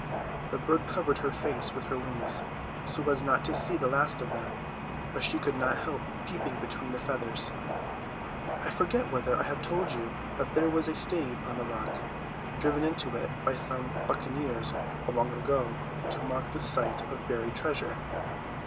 The bird covered her face with her wings, so as not to see the last of them; but she could not help peeping between the feathers. I forget whether I have told you that there was a stave on the rock, driven into it by some buccaneers of long ago to mark the site of buried treasure.